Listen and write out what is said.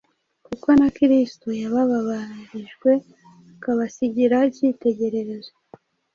kuko na kristo yabababarijwe, akabasigira icyitegererezo,